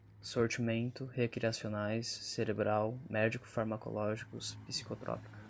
sortimento, recreacionais, cerebral, médico-farmacológicos, psicotrópica